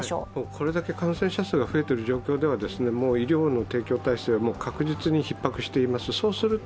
これだけ感染者数が増えている状況では、医療の提供体制は確実にひっ迫しています。